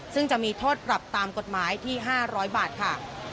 ซึ่งจะมีโทษปรับตามกฎหมายที่๕๐๐บาทค่ะ